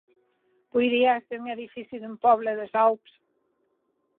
Poirie èster un edifici d'un pòble des Aups.